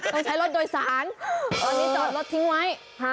เราใช้รถโดยสารตอนนี้จอดทรัพยันทร์ทิ้งไว้